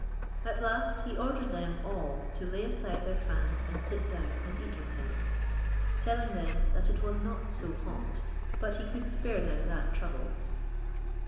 At last he ordered them all to lay aside their fans and sit down, and eat with him, telling them that it was not so hot, but he could spare them that trouble.